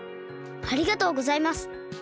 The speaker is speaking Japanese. ありがとうございます。